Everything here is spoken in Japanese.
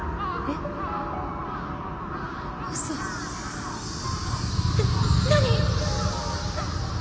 えっ何！？